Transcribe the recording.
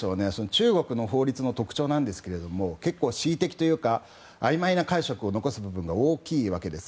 中国の法律の特徴として結構、恣意的というかあいまいな部分を残す部分が大きいわけです。